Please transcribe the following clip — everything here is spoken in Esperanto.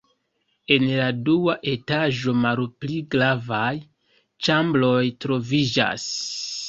En la dua etaĝo malpli gravaj ĉambroj troviĝas.